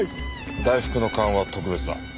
大福の勘は特別だ。